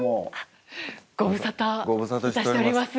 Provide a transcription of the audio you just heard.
ご無沙汰いたしております。